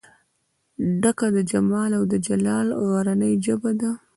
ډکه د جمال او دجلال غرنۍ ژبه ده